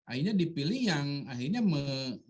akhirnya dipilih yang akhirnya memilih